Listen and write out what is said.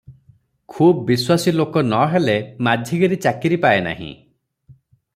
ଖୁବ୍ ବିଶ୍ୱାସୀ ଲୋକ ନ ହେଲେ ମାଝିଗିରି ଚାକିରି ପାଏ ନାହିଁ ।